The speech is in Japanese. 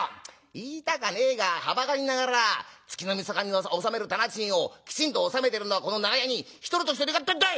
言いたかねえがはばかりながら月のみそかに納める店賃をきちんと納めてるのはこの長屋に一人としているかってんだい！